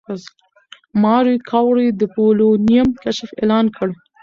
ماري کوري د پولونیم کشف اعلان کړ.